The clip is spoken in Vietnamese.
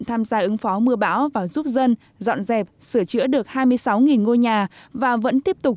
tham gia ứng phó mưa bão và giúp dân dọn dẹp sửa chữa được hai mươi sáu ngôi nhà và vẫn tiếp tục